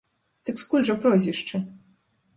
Дык скуль жа прозвішча?